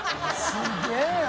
すげぇな。